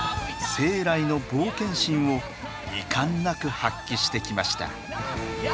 生来の冒険心をいかんなく発揮してきました。